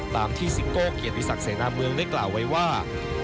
ตามที่ซิโก้เกียรติศักดิเสนาเมืองได้กล่าวไว้ว่า